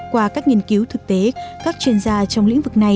qua các nghiên cứu thực tế các chuyên gia trong lĩnh vực này